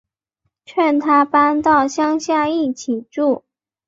劝他搬到乡下一起住